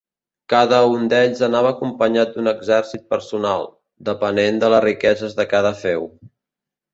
Cada un d'ells anava acompanyat d'un exèrcit personal, depenent de les riqueses de cada féu.